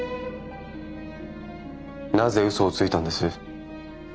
なぜ嘘をついたんです？